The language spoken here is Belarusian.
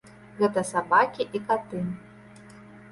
Гэта сабакі і каты.